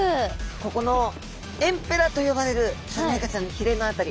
ここのエンペラと呼ばれるスルメイカちゃんのひれの辺り。